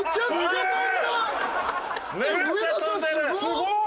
すごーい！